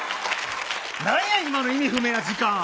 なんや今の意味不明な時間。